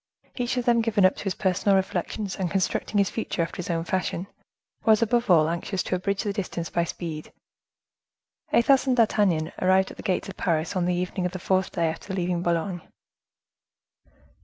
Each of them given up to his personal reflections, and constructing his future after his own fashion, was, above all, anxious to abridge the distance by speed. Athos and D'Artagnan arrived at the gates of Paris on the evening of the fourth day after leaving Boulogne.